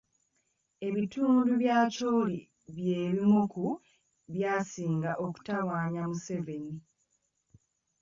Ebitundu bya Acholi bye bimu ku byasinga okutawaanya Museveni.